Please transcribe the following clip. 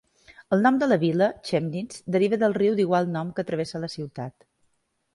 El nom de vila, Chemnitz, deriva del riu d'igual nom que travessa la ciutat.